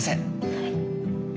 はい。